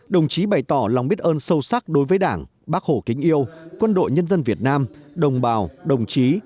đồng chí bày tỏ lòng biết ơn sâu sắc đối với đảng bác hồ kính yêu quân đội nhân dân việt nam đồng bào đồng chí